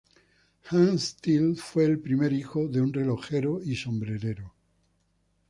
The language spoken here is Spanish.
Hans Till fue el primer hijo de un relojero y sombrerero.